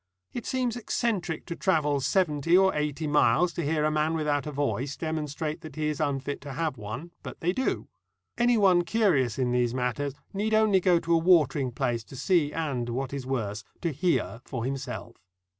It seems eccentric to travel seventy or eighty miles to hear a man without a voice demonstrate that he is unfit to have one, but they do. Anyone curious in these matters need only go to a watering place to see and, what is worse, to hear for himself.